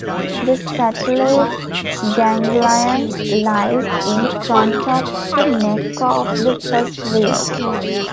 The stellate ganglion lies in front of the neck of the first rib.